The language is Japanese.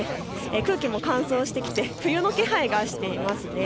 空気も乾燥してきて冬の気配がしていますね。